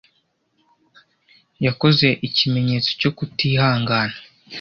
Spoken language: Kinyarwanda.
Yakoze ikimenyetso cyo kutihangana.